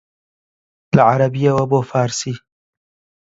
لە عەرەبییەوە بۆ فارسی